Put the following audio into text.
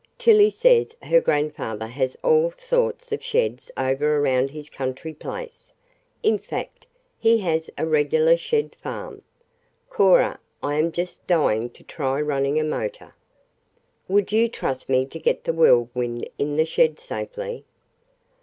Tillie says her grandfather has all sorts of sheds over around his country place. In fact, he has a regular shed farm. Cora, I am just dying to try running a motor. Would you trust me to get the Whirlwind in the shed safely?"